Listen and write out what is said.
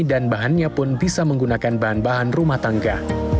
dan bahannya pun bisa menggunakan bahan bahan rumah tangga